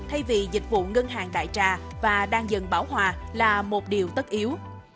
thay vì dịch vụ ngân hàng đại trà và đang dần bảo hòa là một điều tất yếu